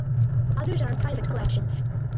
Others are in private collections.